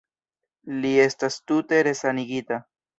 Li estas tute resanigita.